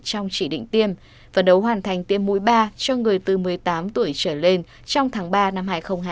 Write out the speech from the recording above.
trong chỉ định tiêm và đấu hoàn thành tiêm mũi ba cho người từ một mươi tám tuổi trở lên trong tháng ba năm hai nghìn hai mươi